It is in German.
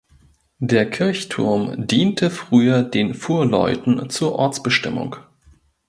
Der Kirchturm diente früher den Fuhrleuten zur Ortsbestimmung.